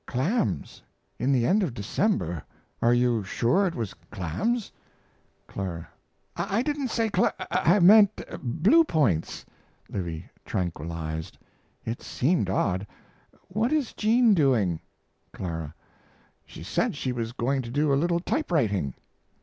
Clams! in the end of December. Are you sure it was clams? CL. I didn't say cl I meant Blue Points. L. (tranquilized). It seemed odd. What is Jean doing? CL. She said she was going to do a little typewriting.